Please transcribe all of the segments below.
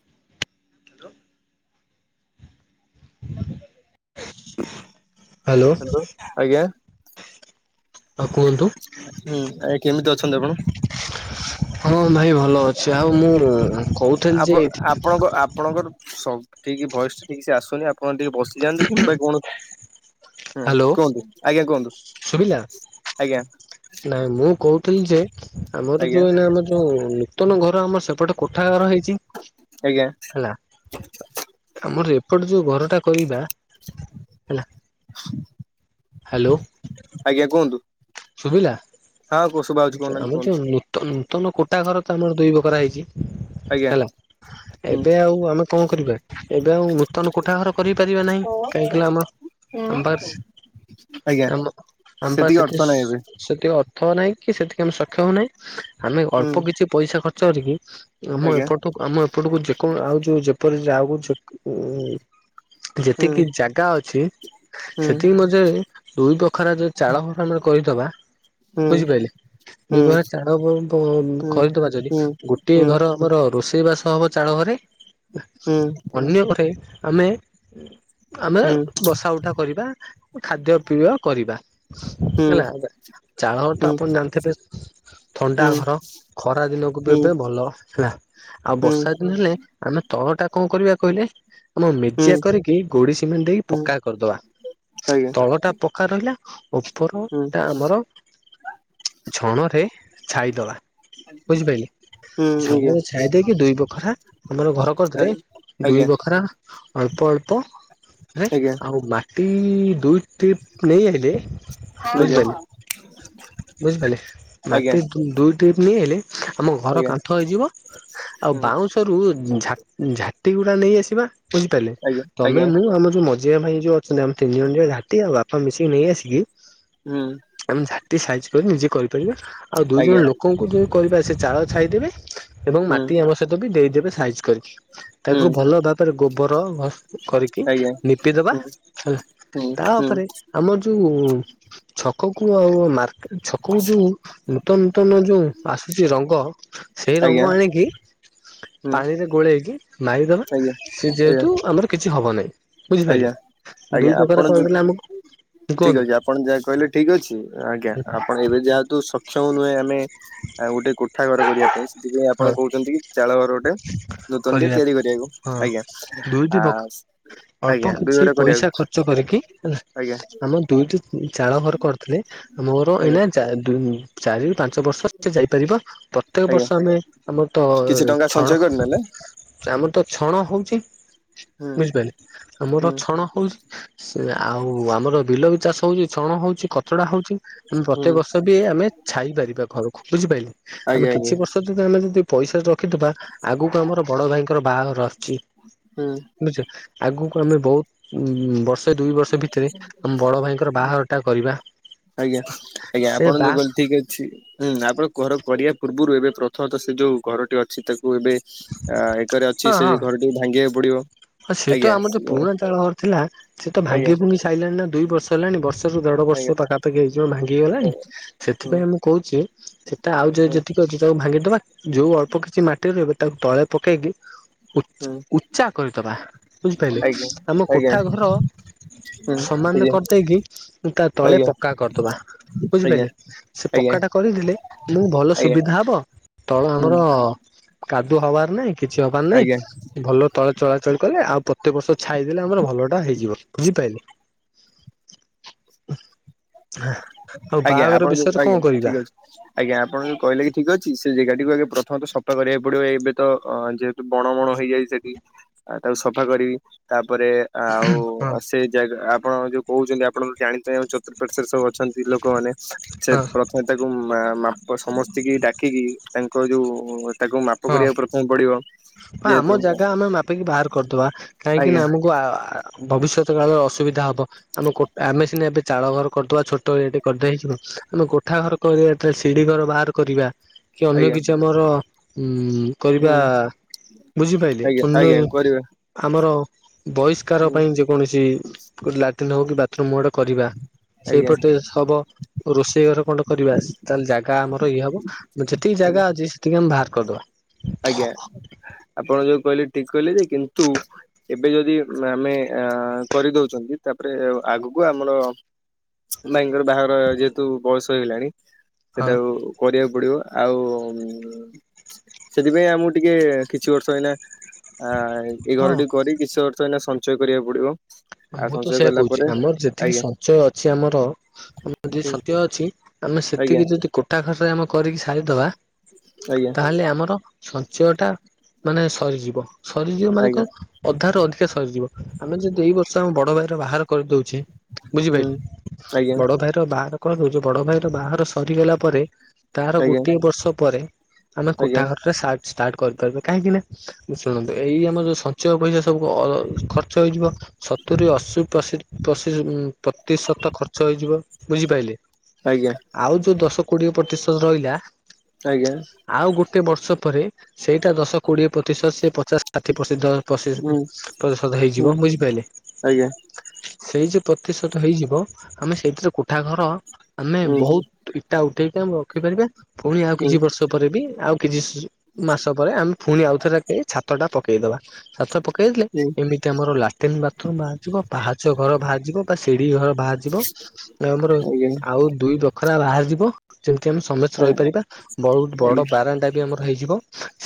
[unintelligible] Hello ଆଜ୍ଞା ହଁ କୁହନ୍ତୁ। ହୁଁ ଆ କେମିତି ଅଛନ୍ତି ଆପଣ? ହଁ ଭାଇ ଭଲ ଅଛି ଆଉ ମୁଁ କହୁଥିଲି ଯେ ସବୁ ଠିକ ଭୟସ ଟା ଠିକ ସେ ଆସୁନି ଆପଣ ଟିକେ ବସିଯାଆନ୍ତୁ କିମ୍ବା କୌଣସି ହୁଁ ହ୍ୟାଲୋ କୁହନ୍ତୁ ଆଜ୍ଞା କୁହନ୍ତୁ ଶୁଭିଲା? ଆଜ୍ଞା । ନାଇଁ ମୁଁ କହୁଥିଲି ଯେ ଆମର ଯୋଉ ଏଇନା ଆମ ଯୋଉ ନୂତନ ଘର ଆମର ସେପଟେ କୋଠା ଘର ହେଇଚି ଆଜ୍ଞା ହେଲା ଆମର ଏ ଏପଟେ ଯୋଉ ଘରଟା କରିବା ହେଲା। ହ୍ୟାଲୋ ଆଜ୍ଞା କୁହନ୍ତୁ। ଶୁଭିଲା ହଁ ଶୁଭା ଯାଉଛି କହୁନାହାନ୍ତି ଆମର ଯୋଉ କୁହନ୍ତୁ ନୂତନ ନୂତନ କୋଟା ଘର ତ ଆମର ଦୁଇ ବକରା ହେଇଚି। [inaudible] ଆଜ୍ଞା ହେଲା ହୁଁ ଏବେ ଆଉ ଆମେ କଣ କରିବା ଏବେ ଆଉ ନୂତନ କୋଠାଘର କରିପାରିବା ନାହିଁ। କାଇିକିନା ଆମ ଆମ ପାଖରେ ଆଜ୍ଞା ଆମ ଆମ ପା ସେତିକି ସେଠି ଅର୍ଥ ନାହିଁ ଏବେ। ସେତିକି ଅର୍ଥ ନାହିଁ କି ସେତିକି ଆମ ସକ୍ଷମ ହଉନାହିଁ ଆମେ ହୁଁ ଅଳ୍ପ କିଛି ପଇସା ଖର୍ଚ୍ଚ କରିକି ଆମ ଆଜ୍ଞା ଏପଟକୁ ଆମ ଏପଟକୁ ଯେକଣ ଆଉ ଯୋଉ ଯେପରି ଯ ଆକୁ ହୁଁ ଯେତିକି ଜାଗା ଅଛି ହୁଁ ସେତିକି ମଧ୍ୟ ଦୁଇ ବଖରା ଯୋଉ ଚାଳ ଫ ଆ କରି ହୁଁ ବୁଝି ପାଇଲେ? ହୁଁ ଦିବାହ ଚାଳ ହୁଁ କରିଦବା ଯଦି ହୁଁ ଗୋଟିଏ ହୁଁ ଘର ଆମର ରୋଷେଇ ଇ ବାସ ହବ ଚାଳ ଘରେ ହୁଁ ଅନ୍ୟ ଘରେ ଆମେ ଆମେ ହୁଁ ବସା ଉଠା କରିବା, ଖାଦ୍ୟପେୟ କରିବା ହୁଁ ହେଲା। ଚାଳ ତ ହୁଁ ଆପଣ ଜାଣିଥିବେ ଥଣ୍ଡା ହୁଁ ଘର ଖରା ଦିନକୁ ବି ଏବେ ଭଲ। ହେଲା ଆଉ ହୁଁ ବର୍ଷା ଦିନ ହେଲେ ଆମେ ତଳ ଟା କଣ କରିବା କହିଲେ ଆମ ହୁଁ ହୁଁ ହୁଁ ମେଜିଆ କରିକି ଗୋଡି ସିମେଣ୍ଟ ଦେଇକି ପକ୍କା କରିଦବା ଆଜ୍ଞା ତଳ ଟା ପକ୍କା ରହିଲା ଉପର ହୁଁ ଟା ଆମର ଝଣରେ ଛାଇଦବା ବୁଝିପାରିଲେ। ହୁଁ ଆଜ୍ଞା ଛଣରେ ଛାଇ ଦେଇକି ଦୁଇ ବଖରା ଆମର ଘର କରିଥିଲେ ଦୁଇ ଆଜ୍ଞା ବଖରା ଅଳ୍ପ ଅଳ୍ପରେ ଆଜ୍ଞା ଆଉ ମାଟି ଦୁଇ ଟିପ୍ ନେଇ ହେ ଦେ ଆଜ୍ଞା ବୁଝି ଆଜ୍ଞା ପାଇଲେ। ବୁଝିପାଇଲେ ଆଜ୍ଞା ମାଟି ଦୁଇ ଟିପ ନେଇ ଆସିଲେ ଆମ ଘର ଆଜ୍ଞା କାନ୍ଥ ହେଇଯିବ ଆଉ ହୁଁ ବାଉଁଶ ରୁ ଝାଟି ଝାଟି ଗୁଡା ନେଇ ଆସିବା ବୁଝିପାରିଲେ, ଆଜ୍ଞା ତମେ ଆଜ୍ଞା ମୁଁ ଆମ ଯୋଉ ମ ଝିଆ ଭାଇ ଯୋଉ ଅଛନ୍ତି ଆମେ ତିନି ଜଣ ଯ ଝାଟି ଆଉ ବାପା ମିଶିକି ନେଇ ଆସିକି ହୁଁ। ଆମେ ଝାଟି ସାଇଜ କରି ନିଜେ କରିପାରିବା ଆଉ ଦୁଇ ଆଜ୍ଞା ଜଣ ଲୋକଙ୍କୁ ଯୋଉ କରିବା ସେ ଚାଳ ଛାଇଦେବେ ଏବଂ ହୁଁ ମାଟି ଆମ ସହିତ ବି ଦେଇଦେବେ ସାଇଜ କରିିକି ହୁଁ ତାକୁ ଭଲ ଭାବରେ ଗୋବର କରିକି ଆଜ୍ଞା ଲିପିଦବା ହୁଁ ହେଲା। ହୁଁ ହୁଁ ତାପରେ ଆମର ଯୋଉ ଛକକୁ ଆଉ ମାର୍ ଛକକୁ ଯୋଉ ନୂତନ ନୂତନ ଯୋଉ ଆସୁଚି ରଙ୍ଗ, ସେଇ ଆଜ୍ଞା ରଙ୍ଗ ଆଣିକି ହୁଁ ପାଣିରେ ଗୋଳେଇକି ମାରିଦବା ଆଜ୍ଞା ସେ ଯେହେତୁ ଆଜ୍ଞା ଆମର କିଛି ହବ ନାହିଁ। ବୁଝିପାରିଲେ ଆଜ୍ଞା ଆଜ୍ଞା, ଦୁଇ ପ୍ରକାର ଆପଣ ଯୋଉ କରିଦେଲେ ଆମକୁ ଠିକ କୁହନ୍ତୁ ଅଛି ଆପଣ ଯାହା କହିଲେ ଠିକ। ଠିକ ଅଛି ଆଜ୍ଞା ଆପଣ ଏବେ ଯାହେତୁ ସକ୍ଷମ ନୁହେଁ ଆମେ ଗୋଟେ କୋଠା ଘର କରିବା ପାଇଁ ସେଥିପାଇଁ ଆପଣ ହଁ କହୁଚନ୍ତି କି ଚାଳ ଘର ଗୋଟେ ନୂତନ ଟେ କରିବା ତିଆରି କରଆକୁ ହଁ ଆଜ୍ଞା ଆ ଆଜ୍ଞା ଆପଣ ଦୁଇ କିଛି ଘର ପଇସା କରିବାକୁ ଖର୍ଚ୍ଚ କରିକି ହେଲା ଆଜ୍ଞା ଆମ ଦୁଇଟି ଚାଳ ଘର କରିଥିଲେ ଆମ ଘର ଆଜ୍ଞା ଏଇନା ଚାରିରୁ ପାଞ୍ଚ ବର୍ଷ ସେ ଯାଇପାରିବ। ପ୍ରତ୍ୟେକ ଆଜ୍ଞା ବର୍ଷ ଆମେ ଆମର ତ କିଛି ଟଙ୍କା ସଞ୍ଚୟ ଛଣ କରିନେଲେ ଆମର ତ ଛଣ ହଉଚି, ହୁଁ ବୁଝିପାଇଲେ ଆମର ହୁଁ ଛଣ ହଉଚି, ତା ସେ ଆଉ ଆମର ବିଲ ବି ଚାଷ ହଉଚି ଛଣ ହଉଛି କଚଡା ହଉଚି। ଆମେ ହୁଁ ପ୍ରତ୍ୟେକ ବର୍ଷ ବି ଆମେ ଛାଇପାରିବା ଘରକୁ ବୁଝିପାଇଲେ ।ଆମେ ଆଜ୍ଞା ଆଜ୍ଞା କିଛି ବର୍ଷ ଯଦି ଆମେ ଦି ପଇସା ରଖିଥିବା ଆଗକୁ ଆମର ବଡ ଭାଇଙ୍କର ବାହାଘର ଆସୁଛି। ହୁଁ ବୁଝି ଆଗକୁ ଆମେ ବହୁତ ଉ ବର୍ଷ ଦୁଇ ବର୍ଷ ଭିତରେ ଆମ ବଡ଼ ଭାଇଙ୍କର ବାହାଘରଟା କରିବା। ଆଜ୍ଞା ଆଜ୍ଞା। ସେ ଆପଣ ବା ଯୋଉ କହିଲେ ଠିକ ଅଛି ହୁଁ ଆପଣ ଘର କରିବା ପୂର୍ବରୁ, ଏବେ ପ୍ରଥମତଃ ସେ ଯୋଉ ଘରଟି ଅଛି ତାକୁ କୁ, ଏବେ ଏକରେ ଅଛି ହଁ ସେ ହଁ ଘର ଟିକୁ ଭାଙ୍ଗିବାକୁ ପଡିବ। ହଁ ସେ ତ ଆଜ୍ଞା ଆମର ଯୋଉ ପୁରୁଣା ଚାଳ ଘର ଥିଲା। ସେ ତ ଆଜ୍ଞା ଭାଙ୍ଗି ଭୁଙ୍ଗି ସାଇଲାଣି ନା ଦୁଇ ବର୍ଷ ହେଲାଣି। ରୁ ଦେଢ ଆଜ୍ଞା। ବର୍ଷ ପାଖାପାଖି ହେଇଯିବ ହୁଁ ଭାଙ୍ଗିଗଲାଣି, ହୁଁ ସେଥିପାଇଁ ମୁଁ କହୁଛି ତା ଆଉ ଯୋ ହୁଁ ଯେତିକି ଅଛି ତାକୁ ଭାଙ୍ଗିଦବା। ଯୋଉ ଅଳ୍ପ କିଛି ମାଟିରେ ରହିବ ତାକୁ ତଳେ ପକେଇକି ଉଚ ଉଚ୍ଚା କରିଦବା। ବୁଝିପାଇଲେ ଆଜ୍ଞା ଆଜ୍ଞା ଆମ ହୁଁ ଆଜ୍ଞା କୋଠା ଘର ସମାନ ଆଜ୍ଞା। କରିଦେଇକି ତା ତଳେ ଆଜ୍ଞା ଆଜ୍ଞା ପକ୍କା କରିଦବା ଆଜ୍ଞା ବୁଝିପାଇଲେ, ସେ ପକ୍କାଟା କରିଦେଲେ ଆମକୁ ଭଲ ସୁବିଧା ହବ ତଳ ହୁଁ ଆମର କାଦୁଅ ହବାର ନାହିଁ କିଛି ହବାର ନାହିଁ ଆଜ୍ଞା ।ଭଲ ତଳେ ଚଳାଚଳ କଲେ ଆଉ ପ୍ରତେକ ବର୍ଷ ଛାଇଦେଲେ ଆମର ଭଲଟା ହେଇଯିବ ବୁଝିପାଇଲେ। ଆଉ ଆଜ୍ଞା ବାହାଘର ଆପଣ ଯୋଉ ବିଷୟରେ କଣ ଆଜ୍ଞା! କରିବା ଠିକ ଅଛି ଆଜ୍ଞା ଆପଣ ଯୋଉ କହିଲେ କି ଠିକ ଅଛି। ସେ ଜେଗାଟିକୁ ଆଗେ ପ୍ରଥମେତ ସଫା କରିବାକୁ ପଡିବ ।ଏବେ ତ ଯେହେତୁ ବଣ ବଣ ହେଇଯାଇଚି ସେଠି ସଫା କରିବି ତା ପରେ ଆଉ ହଁ ସେ ଜା ଆପଣ ଯୋଉ କହୁଛନ୍ତି ।ଆପଣ ଜାଣି ପାଇଁ ଆମ ଚତୁର୍ପାର୍ଶ୍ୱରେ ସବୁ ଅ ଲୋକମାନେ ସେ ହଁ ପ୍ରଥମେ ତାକୁ ଉ ମାପ ସମସ୍ତି କି ଡାକିକି ତାଙ୍କୁ କ ଯୋଉ ତାକୁ ମାପ କରିବାକୁ ପ୍ରଥମେ ପଡିବ। ହୁଁ। ବା ଯେହେତୁ ଆମ ଜାଗା ଆମେ ମାପିକି ବାହାର କରିଦବା। କାହିଁକି ଆଜ୍ଞା ନା ଆମକୁ ଆ ଭବିଷ୍ୟତ କାଳ ଅସ ସୁବିଧା ହବ। ଆମେ କୋଟ ଆମେସିନା ଏବେ ଚାଳ ଘର କରିଦବା ଛୋଟ ଏଟେ କରିଦେ ହେଇଯିବ। ଆମେ କୋଠା ଘର କରିବା ସିଢି ଘର ବାହାର କରିବା କି ଅନ୍ୟ ଆଜ୍ଞା କିଛି ଆମର ଉଁ କରିବା ହୁଁ ବୁଝିପାଇଲେେ ଆଜ୍ଞା ଅନ୍ୟ ଆଜ୍ଞା କରିବା ଆମର ବହିଷ୍କାର ହୁଁ ପାଇଁ ଯେକୌଣସି ଗୋଟେ ଲାଟ୍ରିନ୍ ହଉ କି ବାଥରୁମ ଗୋଟେ କରିବା ଆଜ୍ଞା ସେଇପଟେ ହ ହବ ରୋଷ ଷେଇ ଘରେ ଖଣ୍ଡେ କରିବା ।ତାହେଲେ ଜାଗା ଆମର ଇଏ ହବ ଯେତିକି ଆଜ୍ଞା ଜାଗା ଅଛି ସେତିକି ଆମେ ବାହାର କରିଦବା। ଆଜ୍ଞା। ଆପଣ ଯଉ କହିଲେ ଠିକ କହିଲେ ଯେ। କିନ୍ତୁ ଏବେ ଯଦି ଆମେ ଅ କରିଦଉଛନ୍ତି ତାପରେ ଆଗକୁ ଆମର ନାଇଁ ବାହାଘର ଯେହେତୁ ବୟସ ହେଇଗଲାଣି। ହଁ ସେଟାକୁ କରିବାକୁ ପଡିବ। ଆଉ ସେଥିପାଇଁ ଆମକୁ ଟିକେ କିଛି ବର୍ଷ ଏଇନା ଆ ଏଇ ହଁ ଘର ଟିକୁ କରି କିଛି ବର୍ଷ ଏଇନା ସ ଞ୍ଚୟ କରିବାକୁ ପଡିବ। ଆଉ ମୁଁ ତ ସଞ୍ଚୟ ସେଇୟା କଲା କହୁଛି, ପରେ ଆମର ଯେତିକି ଆଜ୍ଞା ସଞ୍ଚୟ ଅଛି, ଆମର ହୁଁ ସତୟ ଅଛି ଆମେ ଆଜ୍ଞା ସେତିକି ଯଦି କୋଠା ଘରରେ ଆମ କରିକି ସାରିଦବା ଆଜ୍ଞା ତାହେଲେ ଆମର ସଞ୍ଚୟଟା ମାନେ ସରିଯିବ ସରିଯିବ ମାନେ କଣ ଆଜ୍ଞା ଅଧାରୁୁ ଅଧିକା ସରିଯିବ। ଆମେ ଯଦି ଏଇ ବର୍ଷ ଆମ ବଡ ଭାଇ ର ବାହାଘର କରିଦଉଛି ହୁଁ ।ବୁଝିପାଇଲେ ଆଜ୍ଞା ବଡ ଭାଇର ବାହାର କଣ କହୁଛ ବଡ ଭାଇ ର ବାହାର ସରିଗଲା ପରେ ତାର ଆଜ୍ଞା ଗୋଟିଏ ବର୍ଷ ପରେ। ଆମେ କୋଠା ଆଜ୍ଞା ଘରଟା ସା ଷ୍ଟାର୍ଟ କରିପାରିବେ। କାହିଁକି ନା ଶୁଣନ୍ତୁ ଏଇ ଆମର ଯୋଉ ସଞ୍ଚୟ ପଇସା ସବୁ ଅ ଖର୍ଚ୍ଚ ହେଇଯିବ ସତୁରି ଅଶୀ ପସି ପସି ପ୍ରତିଶତ ଖର୍ଚ୍ଚ ହେଇଯିବ ବୁଝିପାଇଲେ ଆଜ୍ଞା ଆଉ ଯୋଉ ଦଶ କୋଡିଏ ପ୍ରତିଶତ ରହିଲା ଆଜ୍ଞା ।ଆଉ ଗୋଟେ ବର୍ଷ ପରେ ସେଇଟା ଦଶ କୋଡିଏ ପ୍ରତିଶତ ସେ ପଚାଶ ଷାଠି ପ୍ର ହୁଁ ପ୍ରତିଶତ ହୁଁ ହେଇଯିବ ବୁଝିପାରିଲେ ଆଜ୍ଞା। ସେଇ ଯେ ପ୍ରତିଶତ ହେଇଯିବ ଆମେ ସେଇଥିରେ କୋଠା ଘର ଆମେ ହୁଁ ହୁଁ ବହୁତ ଇଟା ଉଠେଇ କେମ ରଖିପାରିବେ ପୁଣି ଆଉ କିଛି ବର୍ଷ ପରେ ବି ଆଉ କିଛି ମାସ ପରେ ଆମେ ପୁଣି ଆଉଥରେ ଛାତ ଟା ପକ କେଇଦବାତ ପକେଇଲେ ହୁଁ ଏମିତି ଆମର ଲାଟି ବା ବାହାର ଯିବ ପାହାଚ ଘର ବାହାରି ଯିବ, ବା ଶିଢଡିି ଘର ବାହାର ଯିବ ଆମର ଆଜ୍ଞା ଆଉ ଦୁଇ ବ୍ୟକ୍ତି ଖରା ବାହାରି ଯିବ ଯେମିତି ଆମେ ସମସ୍ତେ ଆଜ୍ଞା ରହିପାରିବା ବହୁତ ବଡ ଆଜ୍ଞା ବାରାଣ୍ଡା ବି ଆମର ହେଇଯିବ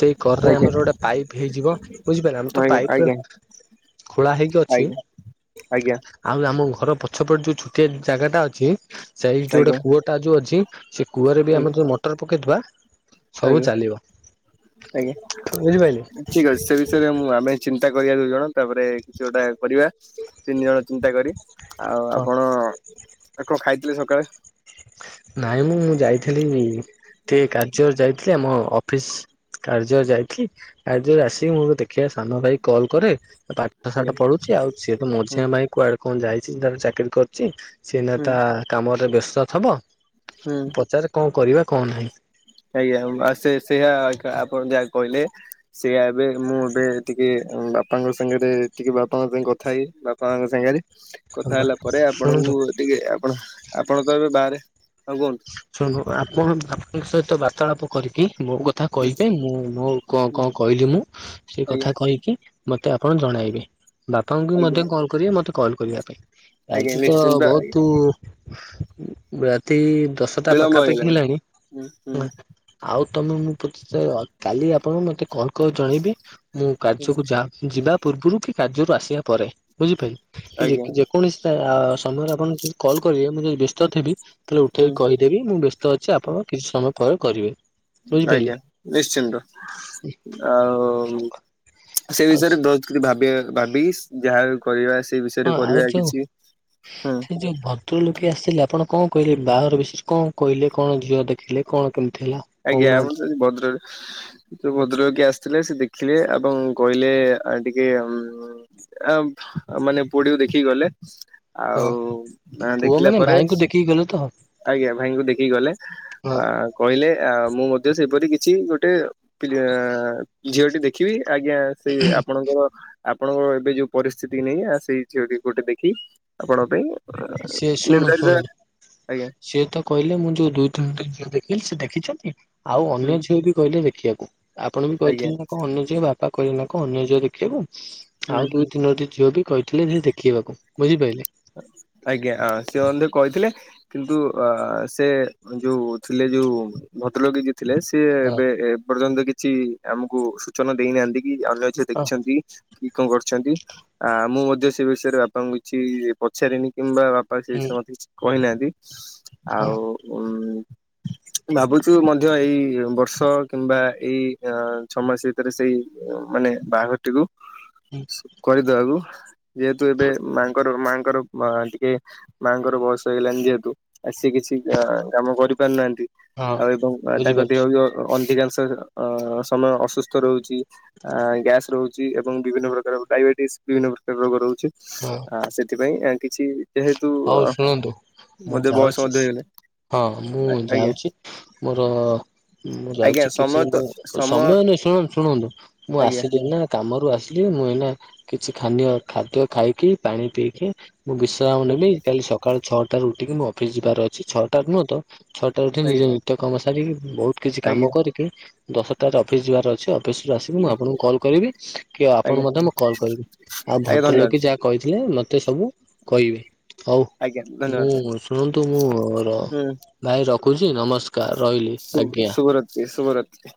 ସେଇ କରରେ ଆଜ୍ଞା ଆମର ଗୋଟେ ପାଇପ୍ ପାଇପ୍ ହେଇଯିବ ବୁଝିପାରିଲ ଆମେ ତ ଆଜ୍ଞା ଆଜ୍ଞା ପାଇପ ଆଜ୍ଞା ଖୋଳା ହେଇକି ଅ ଛି ଆଉ ଆମ ଘର ପଛପଟୁ ଯୋଉ ଛୋଟିଆ ଜାଗା ଟା ଅଛି। ସାଇଟ୍ ରେ ଗୋଟେ ଆଜ୍ଞା କୂଅଟା ଯୋଉ ଅଛି ସେ କୂଅରେ ବି ଆମେ ଯୋଉ ମଟର ପକେଇଥିବା। ସବୁ ଆଜ୍ଞା ଚାଲିବ ବୁଝିପାରିଲେ। ଆଜ୍ଞା ଠିକ ଅଛି ସେ ବିଷୟରେ ମୁଁ ଆମେ ଚିନ୍ତା କରିବା ଦୁଇ ଜଣ। ତାପରେ କିଛି ଗୋଟାଏ କରିବା ତିନି ଜଣ ଚିନ୍ତା କରି ଆଉ ଆପଣ ଆ କଣ ଖାଇଥିଲି ସକାଳେ ନାଇଁ ମୁଁ ଯାଇଥେଲି ଟିକେ କାଯ୍ୟରେ ଯାଇଥିଲି ଆମ ଅଫିସ କାର୍ଯ୍ୟରେ ଯାଇଥିଲି କାର୍ଯ୍ୟରୁ ଆସିକି ମୁଁ ଦେଖିଆ ସାନ ଭାଇ କୁ କଲ୍ କରେ ପାଠ ଆଜ୍ଞା ସାଠ ପଢୁଚି ଆଉ ସିଏ ତ ହୁଁ ମଝିଆ ଭାଇ କୁଆଡେ କଁ ଯାଇଛି ତା ଚାକିରି କରୁଚି। ସିଏ ଏଇନା ହୁଁ ତା କାମରେ ବ୍ୟସ୍ତ ଥିବ। ହୁଁ ଆଜ୍ଞା ଉଁମା ସେ ସେୟା ଏକା ଆପଣ ଯା କହିଲେ ସେୟା ଏବେ ମୁଁ ଏବେ ଟିକେ ବାପାଙ୍କ ସାଙ୍ଗରେ ଟିକେ ବାପାଙ୍କ ସାଙ୍ଗେ କଥା ହେଇ ବାପା ମାଆଙ୍କ ସାଙ୍ଗରେ କଥା ହେଲା ପରେ ଶୁଣନ୍ତୁ ଆପଣଙ୍କୁ ଟିକେ ଆପଣ ଆପଣ ତ ଏବେ ବାହାରେ ଆଉ କୁହନ୍ତୁ ଶୁଣନ୍ତୁ ଆପଣ ଆପଣଙ୍କ ସହିତ ବାର୍ତ୍ତାଳାପ କରିକି। ମୋ କଥା ହୁଁ କହିପେଇଁ ମୁଁ ମୋ କଁ ହୁଁ କଁ କହିଲି ମୁଁ ସେ ଆଜ୍ଞା କଥା କହିକି ମୋତେ ଆପଣ ଜଣାଇବେ ବାପାଙ୍କୁ ବି ଆଜ୍ଞା ମଧ୍ୟ କଲ୍ କରିବେ ମୋତେ କଲ୍ କରିବା ପାଇଁ। ଆଜ୍ଞା ଆଜି ତ ନିଶ୍ଚିନ୍ତ ବୋହୁତୁ ରାତି ଦଶଟା ବିଳମ୍ବ ପାଖାପାଖି ହେଇଗଲାଣି ହେଲାଣି ହୁଁ ହୁଁ ଆଉ ତମେ ମୁଁ ପଛେ କାଲି ଅ ଆପଣ ମତେ କଲ୍ କ ଜଣେଇବି ମୁଁ କାର୍ଯ୍ୟକୁ ଯା ଯିବା। ପୂର୍ବରୁ ବି କାର୍ଯ୍ୟରୁ ଆସିବା ପରେ ବୁଝିପାଇ ଆଜ୍ଞା ଯେକ୍ ଯେକୌଣସି ତା ସମୟରେ ଆପଣଙ୍କୁ ଯଦ କଲ୍ କରିବେ ମୁଁ ଯଦି ବ୍ୟସ୍ତ ଥେବି ତାହାଲେ ହୁଁ ଉଠେଇି କହିଦେବି ମୁଁ ବ୍ୟସ୍ତ ଅଛି ଆପଣ କିଛି ସମୟ ପରେ କରିବେ। ବୁଝିପାରିଲେ ଆଜ୍ଞା ନିଶ୍ଚିନ୍ତ ଆଉ ସେ ଆଉ ବିଷୟରେ ବୋହୁତ କିଛି ଭାବିବାକୁ ଭାବିଶ୍ ଯାହା ବି କରିବା। ସେଇ ବିଷୟରେ ହଁ ଆଉ କରିବା ଯୋଉ କିଛି ହଁ ସେ ଯୋଉ ଭଦ୍ର ଲୋକ ଟି ଆସିଲେ ଆପଣ କଁ କହିଲେ ବାହାଘର ବିଷୟରେ କଁ କହିଲେ କଁ ଝିଅ ଦେଖିଲେ କଣ। କେମିତି ହେଲା? ଆଜ୍ଞା ଆମର କହୁନାହାନ୍ତି ଯଦି ଭଦ୍ରରେ ଯୋଉ ଭଦ୍ରବ୍ୟକ୍ତି ଆସିଥିଲେ ସେ ଦେ ଦେଖିଲେ ଏବଂ କହିଲେ ଆ ଟିକେ ଏବ୍ ମାନେ ପୁଅ ଟିକୁ ଦେଖିକି ଗଲେ। ହଁ ଆଉ ତାଙ୍କର ପୁଅ ଦେଖିଲା ମାନେ ପରେ ଭାଇଙ୍କୁ ଦେଖିକି ଗଲେ ତ ଆଜ୍ଞା ଭାଇଙ୍କୁ ଦେଖିକି ଗଲେ ହଁ ବା କହିଲେ ଏଆଁ ମୁଁ ମଧ୍ୟ ସେପରି କିଛି ଗୋଟେ ପିଲା ଝିଅଟି ଦେଖିବି। ଆଜ୍ଞା ସେଇ ଆପଣଙ୍କର ଆପଣଙ୍କ ଏବେ ଯୋଉ ପରିସ୍ଥିତିକି ନେଇ ଆଁ ସେଇ ଝିଅଟି ଗୋଟେ ଦେଖି ଆପଣ ପାଇଁ ସିଏ ଶୁଣ ନିର୍ଦ୍ଧାରିତ ଶୁଣୁ ଆଜ୍ଞା ସିଏ ତ କହିଲେ ମୁଁ ଯୋଉ ଦୁଇ ତିନିଟି ଝିଅ ଦେ ଖିଲି ସିଏ ଦେଖିଛନ୍ତି ଆଉ ହୁଁ ଅନ୍ୟ ଝିଅ ବି କହିଲେ ଦେଖିବାକୁ ଆପଣ ବି ଆଜ୍ଞା କହିଥିଲେ ନା କଣ ଅନ୍ୟ ଝିଅ ବାପ ପା କରିଲାଙ୍କୁ ଅନ୍ୟ ଝିଅ ଦେଖିବାକୁ ହୁଁ ଆଉ ଦୁଇ ତିନୋଟି ଝିଅ ବି କହିଥିଲେ ଯେ ଦେଖିଇବାକୁ। ବୁଝିପାଇଲେ। [inaudible] ଆଜ୍ଞା ସେ ହଁ ମଧ୍ୟ କହିଥିଲେ କିନ୍ତୁ ଅଁ ସେ ଯୋଉ ଥିଲେ ଯୋଉ ଭଦ୍ରଲୋକି ଯିଏ ଥିଲେ ସିଏ ହଁ ଏବେ ଏପର୍ଯ୍ୟନ୍ତ କିଛି ଆମକୁ ସୂଚନା ଦେଇନାହାନ୍ତି। କି ଅନ୍ୟ ଝିଅ ହଁ ଦେଖିଛନ୍ତି କି କଁ କରଛନ୍ତି ଆଁ ମୁଁ ମଧ୍ୟ ସେ ବିଷୟରେ ବାପାଙ୍କୁ କିଛି ପଚାରିନି କିମ୍ବା ବାପା ସେଇ ହୁଁ ବିଷୟରେ ମତେ କିଛି କହିନାହାନ୍ତି ହଁ ଆଉ ଉଁ [inaudible] ଭାବୁଛୁ ମଧ୍ୟ ଏଇ ବର୍ଷ କିମ୍ବା ଏଇ ଅଁ ଛଅ ମାସ ଭିତରେ ସେଇ ଉଁ ମାନେ ବାହାଘରଟିକୁ ହୁଁ କରିଦବାକୁ ଯେହେତୁ ଏବେ ମାଆଙ୍କର ମାଆଙ୍କ ଙ୍କର ମ ଟିକେ ମାଆଙ୍କର ବୟସ ହେଇଗଲାଣି ଯେହେତୁ ଆ ସିଏ କିଛି କାମ ଆଁ କରିପାରୁନାହାନ୍ତି ହଁ ଆଉ ଏବଂ ତାଙ୍କ ଦେହ ବୁଝିପାରୁଛି ବି ଅ ଅ ଅଧିକାଂ ଶ ଅଁ ସମୟ ଅସୁସ୍ଥ ରୋହୁଚି ଆଁ ଗ୍ୟାସ୍ ରୋହୁଚି ଏବଂ ବିଭିନ୍ନ ପ୍ରକାର ଡାଇବେଟିସ୍ ବିଭିନ୍ନ ପ୍ରକାର ରୋଗ ରହୁଛି, ହଁ। ଆ ସେଥିପାଇଁ ଆ କିଛି ଯେହେତୁ ହଉ ଅ ଶୁଣନ୍ତୁ ମୁଁ ଯାଉଛି। ହଁ, ମୁଁ ଆଜ୍ଞା ଯାଉଛି ମୋର ଅ ମୁଁ ଆଜ୍ଞା ଯାଉଛି। କିଛି ସମୟ ତ ମୁଁ ସମୟ ନୁହେଁ ଶୁଣନ୍ତୁ, ଶୁଣନ୍ତୁ, ମୁଁ ଆଜ୍ଞା ଆସିଥିଲି ନା କାମରୁ ଆସଲି। ମୁଁ ଏଇନା କିଛି ଖାନୀୟ ଖାଦ୍ୟ ଖାଇକି ପାଣି ପିଇକି, ମୁଁ ବିଶ୍ରାମ ନେବି। ସକାଳୁ ଛଅଟାରୁ ଉଠିକି ମୁଁ ଅଫିସ୍ ଯିବାର ଅଛି, ଛଅଟା ରୁ ନୁହଁ ତ! ଛଅଟାରୁ ଉଠି ଆଜ୍ଞା ନିଜ ନିତ୍ୟ କାମ ସାରିକି ବହୁତ୍ କିଛି ଆଜ୍ଞା କାମ ଆଜ୍ଞା କରିକି, ଦଶଟାରେ ଅଫିସ୍ ଯିବାର ଅଛି। ଅଫିସ୍ ରୁ ଆସିକି ମୁଁ ଆପଣଙ୍କୁ କଲ୍ କରିବି। କି ଆପଣ ଆଜ୍ଞା ମଧ୍ୟ ମୁଁ କଲ୍ କରିବି। ଆଉ ଆଜ୍ଞା ଧନ୍ୟବାଦ ଭଦ୍ରଲୋକି ଯାହା କହିଥିଲେ ମତେ ସବୁ କହିବେ। ହଉ, ଆଜ୍ଞା ଧନ୍ୟବାଦ ମୁଁ ଶୁଣନ୍ତୁ ମୁଁ ଭାଇ ରଖୁଛି ନମସ୍କାର୍। ସୁ ଶୁଭରାତ୍ରି ଶୁଭରାତ୍ରି।